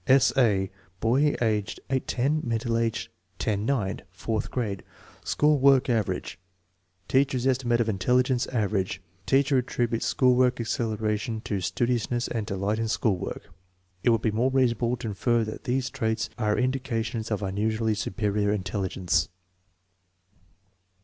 8. A. Boy, age 8 10; mental age 10 9; fourth grade; school worlc "average"; teacher's estimate of intelligence "average" Teacher attributed school acceleration to "studiousness" and "delight in school work." It would be more reasonable to infer that these traits are indications of unusually superior intelligence.